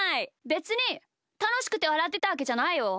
べつにたのしくてわらってたわけじゃないよ。